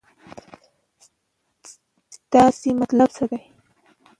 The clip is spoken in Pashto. ستاسې مطلب څه دی.